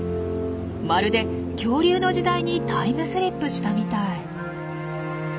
まるで恐竜の時代にタイムスリップしたみたい。